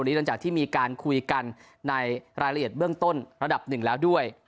หลังจากที่มีการคุยกันในรายละเอียดเบื้องต้นระดับหนึ่งแล้วด้วย